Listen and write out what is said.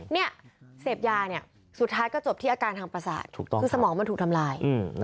เนี่ยเสพยาเนี่ยสุดท้ายก็จบที่อาการทางประสาทถูกต้องคือสมองมันถูกทำลาย